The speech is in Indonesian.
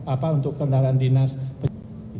apa untuk kendaraan dinas